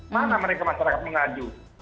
mana mereka masyarakat mengayu